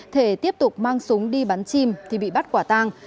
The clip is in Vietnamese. thể tiếp tục mang súng đi bắn chim thì bị bắt quả tang